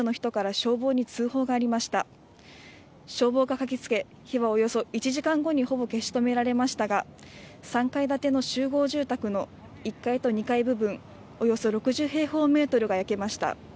消防が駆けつけ火はおよそ１時間後にほぼ消し止められましたが３階建ての集合住宅の１階と２階部分およそ６０平方メートルが焼けました。